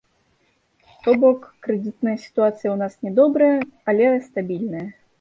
То бок, крэдытная сітуацыя ў нас не добрая, але стабільная.